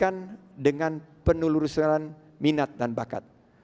kami gantikan dengan penelusuran minat dan bakat